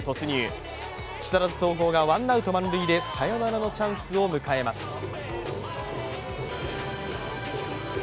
木更津総合がワンアウト満塁でサヨナラのチャンスを迎えます。